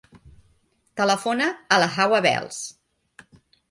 Telefona a la Hawa Belles.